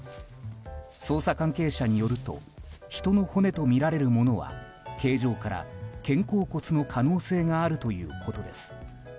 捜査関係者によると人の骨とみられるものは形状から、肩甲骨の可能性があるということです。